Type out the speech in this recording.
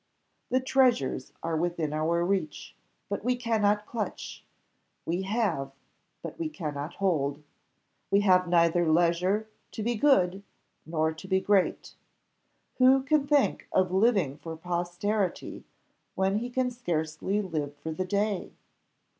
The treasures are within our reach, but we cannot clutch; we have, but we cannot hold. We have neither leisure to be good, nor to be great: who can think of living for posterity, when he can scarcely live for the day?